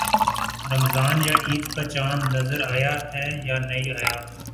رمضان یا عید کا چاند نظر آیا ہے یا نہیں آیا؟